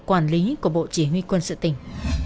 quản lý của bộ chỉ huy quân sự tỉnh